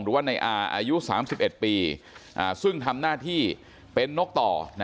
หรือว่าในอาอายุ๓๑ปีซึ่งทำหน้าที่เป็นนกต่อ